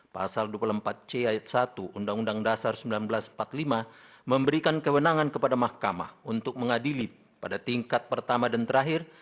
pasal dua puluh empat c ayat satu undang undang dasar seribu sembilan ratus empat puluh lima memberikan kewenangan kepada mahkamah untuk mengadili pada tingkat pertama dan terakhir